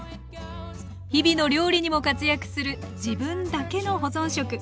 日々の料理にも活躍する自分だけの保存食。